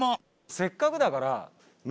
せっかくだからお！